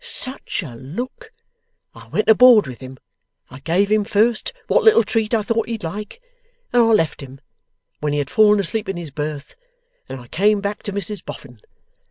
Such a look! I went aboard with him (I gave him first what little treat I thought he'd like), and I left him when he had fallen asleep in his berth, and I came back to Mrs Boffin.